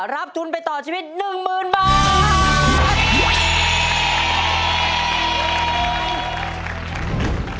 รับทุนไปต่อชีวิต๑๐๐๐บาท